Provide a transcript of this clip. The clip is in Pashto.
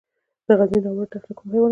د غزني ناور دښته کوم حیوانات لري؟